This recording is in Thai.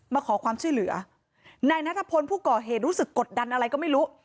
มาขอความช่วยเหลือนายนัทพลผู้ก่อเหตุรู้สึกกดดันอะไรก็ไม่รู้